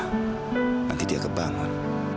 nanti dia kebangun